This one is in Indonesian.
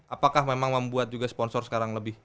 apakah memang membuat juga sponsor sekarang lebih